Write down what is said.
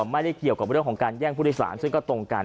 ไม่ได้เกี่ยวกับเรื่องของการแย่งผู้โดยสารซึ่งก็ตรงกัน